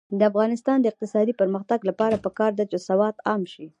د افغانستان د اقتصادي پرمختګ لپاره پکار ده چې سواد عام شي.